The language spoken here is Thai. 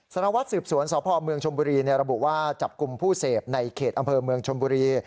สารวัตรสืบสวนสพเมืองชมบุรีระบุว่าจับกลุ่มผู้เสพในเขตอำเภอเมืองชมบุรี